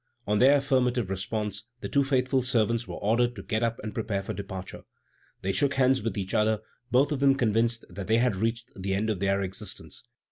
On their affirmative response, the two faithful servants were ordered to get up and prepare for departure. They shook hands with each other, both of them convinced that they had reached the end of their existence.